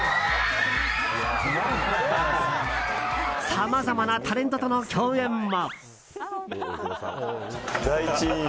さまざまなタレントとの共演も。